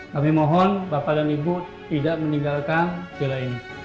kami mohon bapak dan ibu tidak meninggalkan bela ini